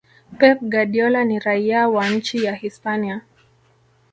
Pep Guardiola ni raia wa nchi ya Hispania